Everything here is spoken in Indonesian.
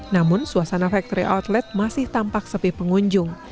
namun suasana factory outlet masih tampak sepi pengunjung